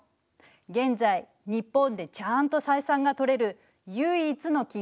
現在日本でちゃんと採算がとれる唯一の金鉱山なのよ。